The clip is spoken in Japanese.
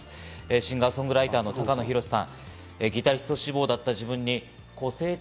シンガー・ソングライターの高野寛さん。